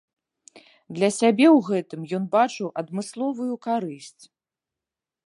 Для сябе ў гэтым ён бачыў адмысловую карысць.